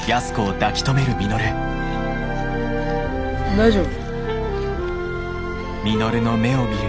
大丈夫？